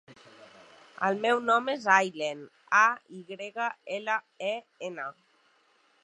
El meu nom és Aylen: a, i grega, ela, e, ena.